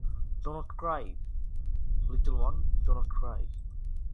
Do not cry little one do not cry.